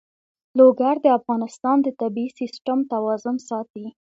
لوگر د افغانستان د طبعي سیسټم توازن ساتي.